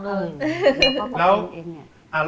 ของคุณยายถ้วน